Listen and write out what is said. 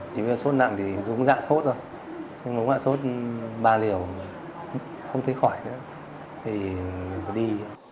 chỉ vì sốt nặng thì dùng dạ sốt thôi nhưng mà sốt ba liều không thấy khỏi nữa thì mình có đi